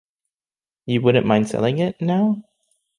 You wouldn’t mind selling it, now?